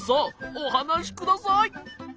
おはなしください。